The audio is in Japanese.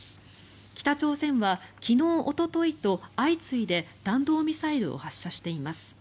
北朝鮮は昨日おとといと相次いで弾道ミサイルを発射しています。